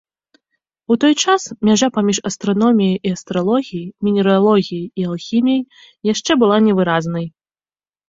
У той час мяжа паміж астраноміяй і астралогіяй, мінералогіяй і алхіміяй яшчэ была невыразнай.